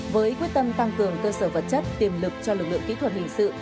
với quyết tâm tăng cường cơ sở vật chất tiềm lực cho lực lượng kỹ thuật hình sự